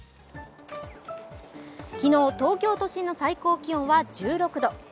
昨日、東京都心の最高気温は１６度。